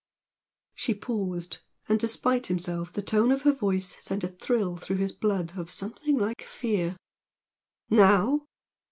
She paused, and despite himself the tone of her voice sent a thrill through his blood of something like fear. "NOW?